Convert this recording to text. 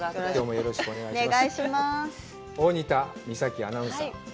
よろしくお願いします。